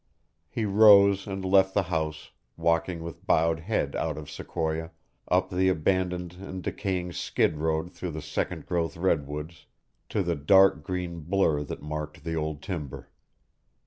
He rose and left the house, walking with bowed head out of Sequoia, up the abandoned and decaying skid road through the second growth redwoods to the dark green blur that marked the old timber.